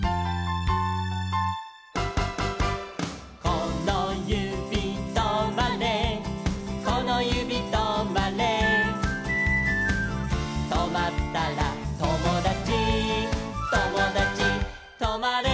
「このゆびとまれこのゆびとまれ」「とまったらともだちともだちとまれ」